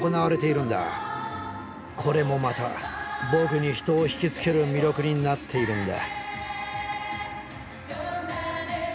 これもまた僕に人を引き付ける魅力になっているんだ。